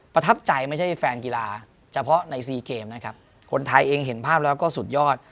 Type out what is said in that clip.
ประทับใจไม่ใช่แฟนกีฬาเฉพาะในซีเกมนะครับคนไทยเองเห็นภาพแล้วก็สุดยอด